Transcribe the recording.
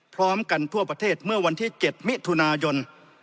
พร้อมกันทั่วประเทศเมื่อวันที่๗มิถุนายน